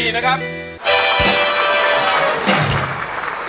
๔นะครับ